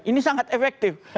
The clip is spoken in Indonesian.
ini sangat efektif